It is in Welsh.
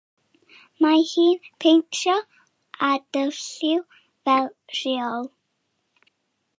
Mae hi'n peintio â dyfrlliw fel rheol.